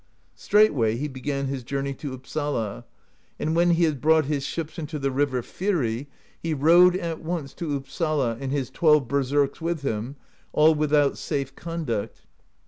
^'Straightway he began his journey to Uppsala; and when he had brought his ships into the river Fyri, he rode at once to Uppsala, and his twelve berserks with him, all without safe conduct.